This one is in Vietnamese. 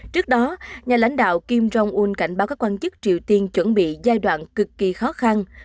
trước đó nhà lãnh đạo kim jong un cảnh báo các quan chức triều tiên chuẩn bị giai đoạn cực kỳ khó khăn